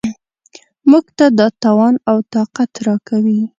موږ ته دا توان او طاقت راکوي.